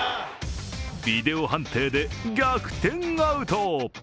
ビデオ判定で逆転アウト。